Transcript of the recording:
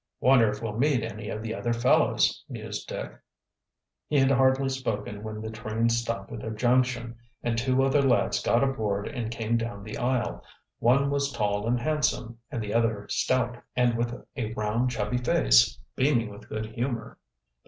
"Wonder if we'll meet any of the other fellows," mused Dick. He had hardly spoken when the train stopped at a junction, and two other lads got aboard and came down the aisle. One was tall and handsome, and the other stout and with a round, chubby face beaming with good humor.